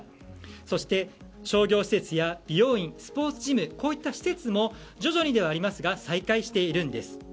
そして、商業施設や美容院、スポーツジムこういった施設も徐々にではありますが再開しているんです。